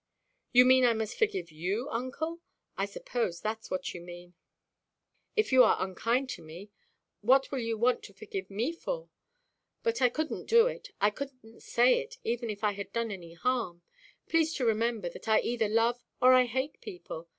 "You mean I must forgive you, uncle. I suppose thatʼs what you mean. If you are unkind to me, what will you want to forgive me for? But I couldnʼt do it. I couldnʼt say it, even if I had done any harm. Please to remember that I either love or I hate people.